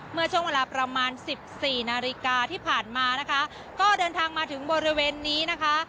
เมื่อช่วงเวลาประมาณสิบสี่นาฬิกาที่ผ่านมานะคะก็เดินทางมาถึงบริเวณนี้นะคะ